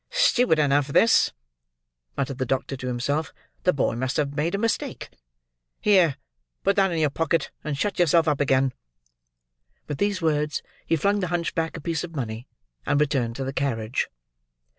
"Stupid enough, this," muttered the doctor to himself; "the boy must have made a mistake. Here! Put that in your pocket, and shut yourself up again." With these words he flung the hunchback a piece of money, and returned to the carriage.